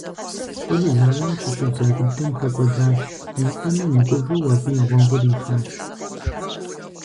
ЛӀыр зауэм щыщӀидза дыдэм хэкӀуэдащ, и къуэми мыгувэу абы и гъуэгур ихуащ.